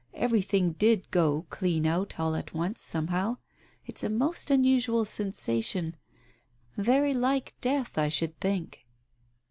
Everything did go clean out all at once, somehow ... it's a most unusual sensation — very like death, I should think."